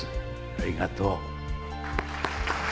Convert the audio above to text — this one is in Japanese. ありがとう。